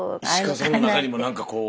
石川さんの中にも何かこう。